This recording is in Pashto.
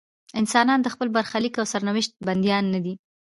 انسانان د خپل برخلیک او سرنوشت بندیان نه دي.